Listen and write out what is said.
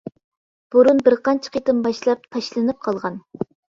بۇرۇن بىر قانچە قېتىم باشلاپ، تاشلىنىپ قالغان.